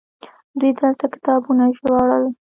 دوی دلته کتابونه ژباړل